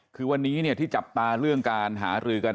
คือวันนี้ที่จับตาเรื่องการหารือกัน